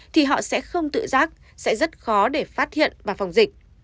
thì họ sẽ không tự giác sẽ rất khó để phát hiện và phòng dịch